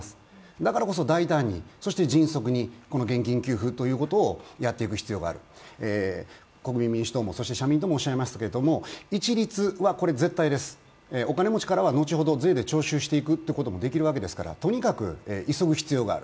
だからこそ大胆にそして迅速に現金給付をやっていく必要がある、国民民主党も社民党もおっしゃいましたけど一律は絶対です、お金持ちからは後ほど税で徴収していくこともできるわけですからとにかく急ぐ必要がある。